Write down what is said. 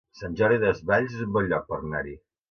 Sant Jordi Desvalls es un bon lloc per anar-hi